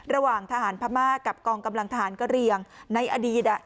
ระหว่างทหารพม่ากับกองกำลังทหารกระเรียงในอดีต